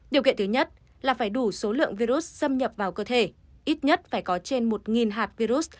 điều kiện thứ nhất là phải đủ số lượng virus xâm nhập vào cơ thể ít nhất phải có trên một hạt virus